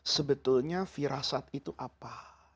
sebetulnya firasat itu apa